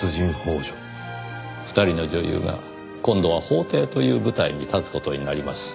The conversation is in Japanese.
２人の女優が今度は法廷という舞台に立つ事になります。